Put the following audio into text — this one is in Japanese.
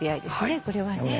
これはね。